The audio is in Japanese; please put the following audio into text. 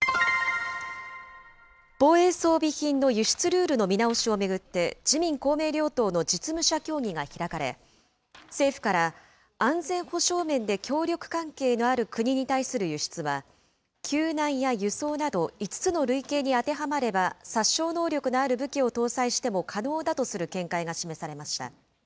防衛装備品の輸出ルールの見直しを巡って、自民、公明両党の実務者協議が開かれ、安全保障面で協力関係のある国に対する輸出は、救難や輸送など、５つの類型に当てはまれば、殺傷能力のある武器を搭載しても可能だとする見解が示されました。